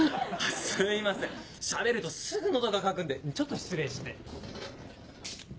すいませんしゃべるとすぐ喉が渇くんでちょっと失礼して。